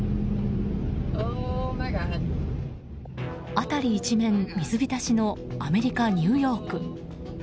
辺り一面水浸しのアメリカ・ニューヨーク。